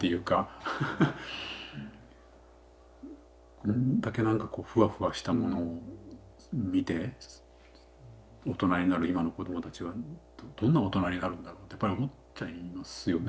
こんだけ何かこうふわふわしたものを見て大人になる今の子どもたちはどんな大人になるんだろうってやっぱり思っちゃいますよね